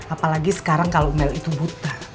apalagi sekarang kalau mel itu buta